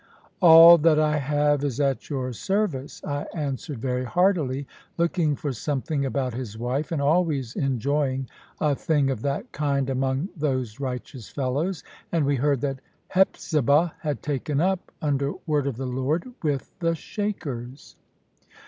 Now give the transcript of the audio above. "All that I have is at your service," I answered very heartily; looking for something about his wife, and always enjoying a thing of that kind among those righteous fellows; and we heard that Hepzibah had taken up, under word of the Lord, with the Shakers.